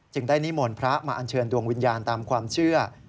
นิมนต์พระมาอัญเชิญดวงวิญญาณตามความเชื่อ